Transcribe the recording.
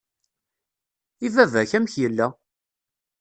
I baba-k, amek yella?